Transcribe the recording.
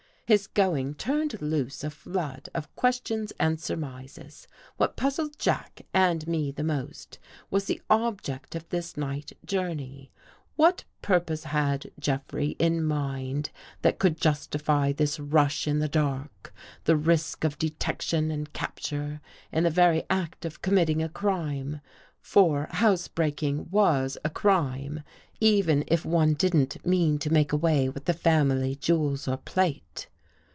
His going turned loose a flood of questions and surmises. What puzzled Jack and me the most, was the object of this night journey. What pur pose had Jeffrey in mind that could justify this rush in the dark, the risk of detection and capture in the very act of committing a crime? For house breaking was a crime, even if one didn't mean to make away with the family jewels or plate.